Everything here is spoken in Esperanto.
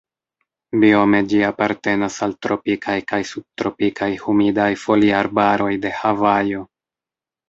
Biome ĝi apartenas al tropikaj kaj subtropikaj humidaj foliarbaroj de Havajo.